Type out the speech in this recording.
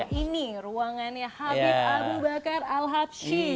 nah ini ruangannya habib arnubakar al hakshi